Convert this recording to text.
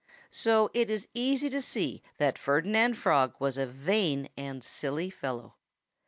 So it is easy to see that Ferdinand Frog was a vain and silly fellow.